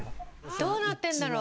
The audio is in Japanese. どうなってるんだろう？